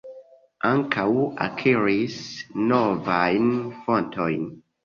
Ankaŭ akiris novajn fontojn.